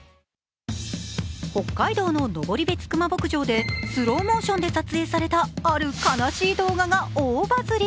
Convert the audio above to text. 北海道ののぼりべつクマ牧場で、スローモーションで撮影された、ある悲しい動画が大バズり。